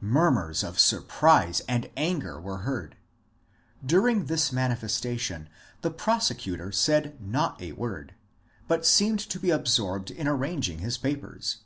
Murmurs of surprise and anger were heard. During this manifestation the prosecutor said not a word, but seemed to be absorbed in arranging his papers.